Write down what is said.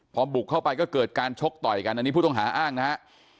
พอบุกเข้าไปก็เกิดการชกต่อยกันอันนี้ผู้ต้องหาอ้างนะฮะ